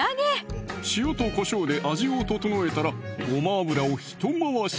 塩とこしょうで味を調えたらごま油をひと回し！